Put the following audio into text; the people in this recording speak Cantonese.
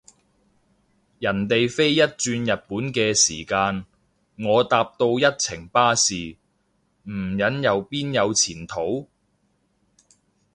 人哋飛一轉日本嘅時間，我搭到一程巴士，唔忍又邊有前途？